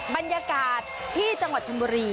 บรรยากาศที่จังหวัดชนบุรี